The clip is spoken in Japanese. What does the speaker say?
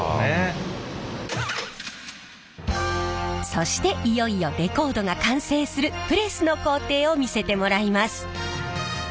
そしていよいよレコードが完成するプレスの工程を見せてもらいます。